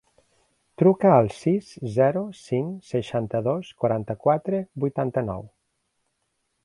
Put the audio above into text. Truca al sis, zero, cinc, seixanta-dos, quaranta-quatre, vuitanta-nou.